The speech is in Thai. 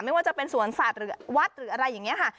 ไม่ว่าจะเป็นสวนสัตว์หรือวัดหรืออะไรอย่างนี้ค่ะ